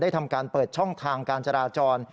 ทำการเปิดช่องทางการจราจร